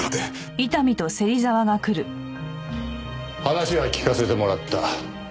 話は聞かせてもらった。